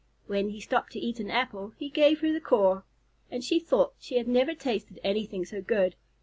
When he stopped to eat an apple, he gave her the core, and she thought she had never tasted anything so good.